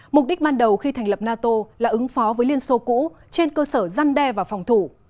mục đích ban đầu khi thành lập nato là ứng phó với liên xô cũ trên cơ sở răn đe và phòng thủ